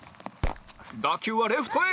打球はレフトへ